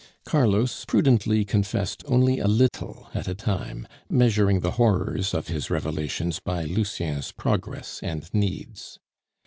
Carlos prudently confessed only a little at a time, measuring the horrors of his revelations by Lucien's progress and needs.